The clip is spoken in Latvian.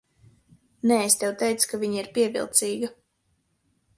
Nē, es tev teicu, ka viņa ir pievilcīga.